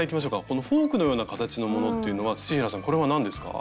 このフォークのような形のものっていうのは土平さんこれは何ですか？